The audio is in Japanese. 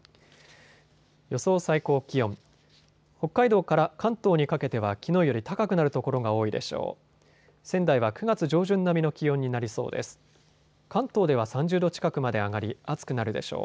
予想最高気温、北海道から関東にかけてはきのうより高くなる所が多いでしょう。